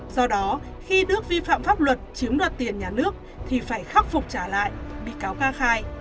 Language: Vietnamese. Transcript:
do đó khi đức vi phạm pháp luật chiếm đoạt tiền nhà nước thì phải khắc phục trả lại bị cáo ca khai